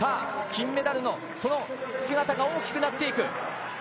金メダルの姿が大きくなっていく。